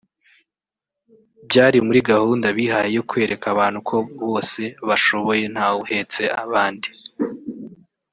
byari muri gahunda bihaye yo kwereka abantu ko bose bashoboye ntawuhetse abandi